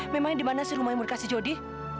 memang dimana sih rumah yang mau dikasih jody